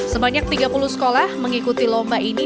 sebanyak tiga puluh sekolah mengikuti lomba ini